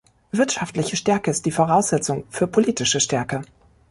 Wirtschaftliche Stärke ist die Voraussetzung für politische Stärke.